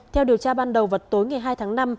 theo điều tra ban đầu vào tối ngày hai tháng năm